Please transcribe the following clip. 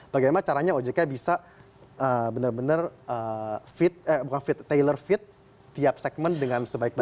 bagaimana caranya ojk bisa benar benar fit bukan fit tailor fit tiap segmen dengan sebaiknya